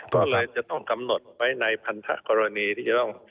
ก็เลยจะต้องกำหนดไว้ในพันธกรณีที่จะต้อง